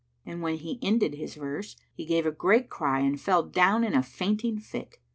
'" And when he ended his verse he gave a great cry and fell down in a fainting fit.